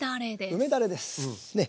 梅だれです。ね。